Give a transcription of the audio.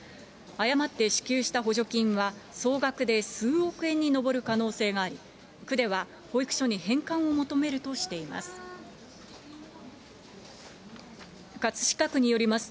誤って支給した補助金は総額で数億円に上る可能性があり、区では保育所に返還を求めるとしています。